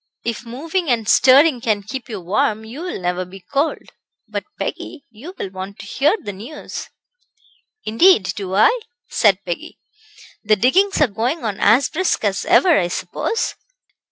"If moving and stirring can keep you warm you will never be cold. But, Peggy, you will want to hear the news." "Indeed do I," said Peggy; "the diggings are going on as brisk as ever, I suppose?"